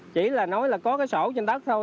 chỉ là nói là có cái sổ trên đất thôi